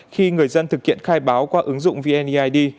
khi người dân thực hiện khai báo qua ứng dụng vneid